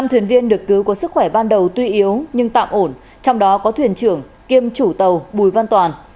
năm thuyền viên được cứu có sức khỏe ban đầu tuy yếu nhưng tạm ổn trong đó có thuyền trưởng kiêm chủ tàu bùi văn toàn